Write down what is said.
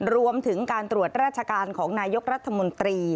รวมถึงการตรวจราชการของนายกรัฐมนตรี